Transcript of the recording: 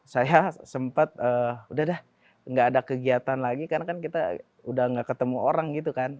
saya sempat udah deh nggak ada kegiatan lagi karena kan kita udah gak ketemu orang gitu kan